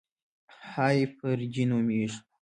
هایپرجي نومېږي.